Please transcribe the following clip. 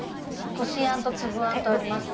こしあんとつぶあんとありますよ。